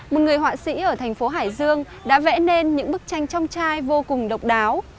một người họa sĩ ở thành phố hải dương đã vẽ nên những bức tranh trong chai vô cùng độc đáo